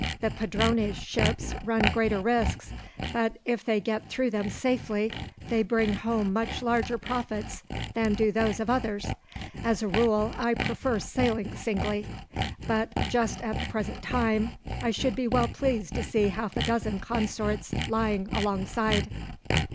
The padrone's ships run greater risks, but, if they get through them safely, they bring home much larger profits than do those of others. As a rule, I prefer sailing singly; but just at the present time I should be well pleased to see half a dozen consorts lying alongside."